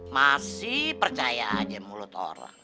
masih percaya aja mulut orang